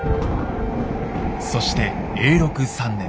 そして永禄３年。